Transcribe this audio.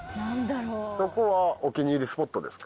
そこはお気に入りスポットですか？